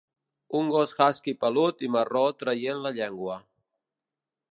Un gos husky pelut i marró traient la llengua.